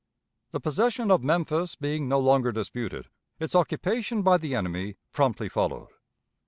The possession of Memphis being no longer disputed, its occupation by the enemy promptly followed.